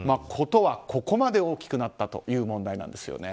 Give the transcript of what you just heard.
事はここまで大きくなったという問題です。